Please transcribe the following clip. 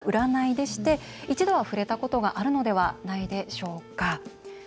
どれも身近な占いでして一度は触れたことがあるのではないでしょうか。